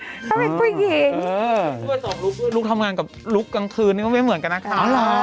เขาเป็นผู้หญิงลุคทำงานกับลุคกลางคืนนี่ก็ไม่เหมือนกันนะคะ